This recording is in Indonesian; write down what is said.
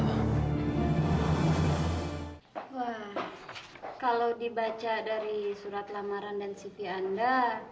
wah kalau dibaca dari surat lamaran dan cv anda